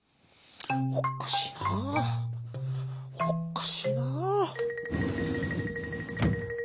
「おっかしいな。おっかしいな」。